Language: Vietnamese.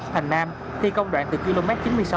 thành nam thi công đoạn từ km chín mươi sáu ba trăm linh